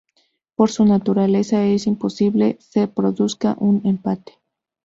Por su naturaleza es imposible se produzca un empate.